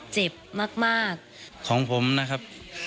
เจ็บมากของผมนะครับ